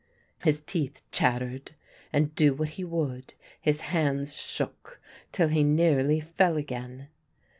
His teeth chattered and, do what he would, his hands shook till he nearly fell again.